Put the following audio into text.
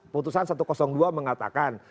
putusan satu ratus dua mengatakan